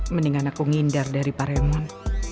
mendingan aku ngindar dari pak remon